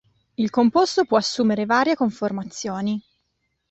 Il composto può assumere varie conformazioni.